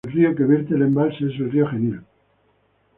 El río que vierte al embalse es el río Genil.